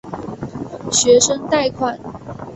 学生贷款。